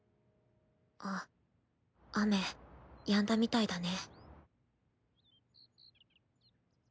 あっ雨やんだみたいだね。